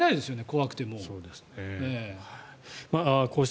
怖くて、もう。